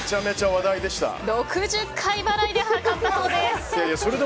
６０回払いで買ったそうです。